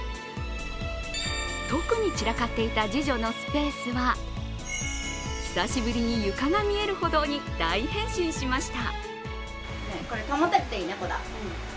特に散らかっていた次女のスペースは久しぶりに床が見えるほどに大変身しました。